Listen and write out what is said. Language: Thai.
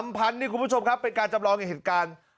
พันนี่คุณผู้ชมครับเป็นการจำลองเหตุการณ์